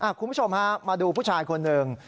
คุณผู้ชมฮะมาดูผู้ชายคนหนึ่ง